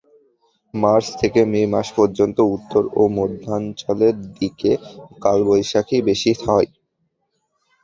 March থেকে May মাস পর্যন্ত উত্তর ও মধ্যাঞ্চলের দিকে কালবৈশাখী বেশি হয়।